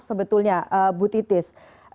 sebetulnya bu titis